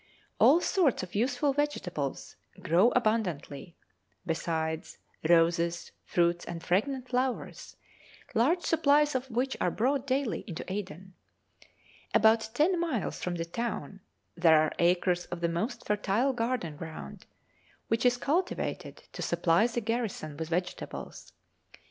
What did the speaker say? All sorts of useful vegetables grow abundantly, besides roses, fruits, and fragrant flowers, large supplies of which are brought daily into Aden. About ten miles from the town there are acres of the most fertile garden ground, which is cultivated to supply the garrison with vegetables.